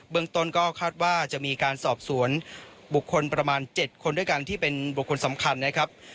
เมืองต้นก็คาดว่าจะมีการสอบสวนบุคคลประมาณ๗คนด้วยกันที่เป็นบุคคลสำคัญนะครับ